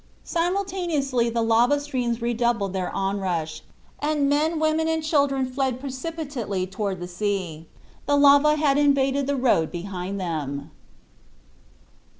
Simultaneously the lava streams redoubled their onrush, and men, women and children fled precipitately toward the sea. The lava had invaded the road behind them."